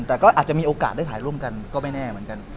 แต่ก็อาจจะมีโอกาสได้ถ่ายร่วมกันก็ไม่แน่เหมือนกัน